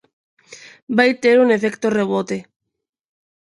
Vai ter un efecto rebote.